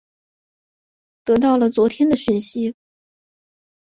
得到了昨天的讯息